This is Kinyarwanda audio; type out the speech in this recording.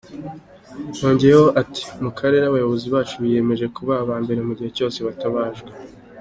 Yongeyeho ati “Mu karere abayobozi bacu biyemeje kuba aba mbere mu gihe cyose bitabajwe”.